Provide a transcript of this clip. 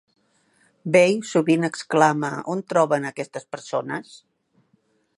Bey sovint exclama on troben a aquestes persones?!